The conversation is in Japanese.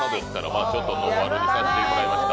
ノンアルにさせていただきました。